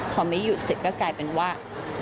พอไม่หยุดเสร็จก็กลายเป็นว่า